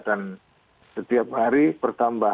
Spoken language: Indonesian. dan setiap hari bertambah